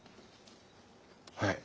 はい！